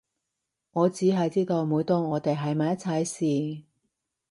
我只係知道每當我哋喺埋一齊時